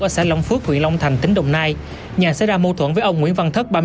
ở xã long phước huyện long thành tỉnh đồng nai nhà xảy ra mâu thuẫn với ông nguyễn văn thất